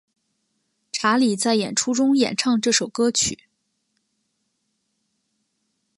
查理在演出中演唱这首歌曲。